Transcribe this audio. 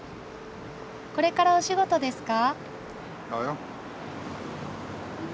これからお仕事ですか？